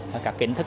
và các kiến thức